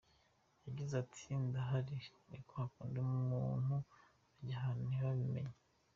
Yagize ati “ Ndahari, ni kwa kundi umuntu ajya ahantu ntibabimenye….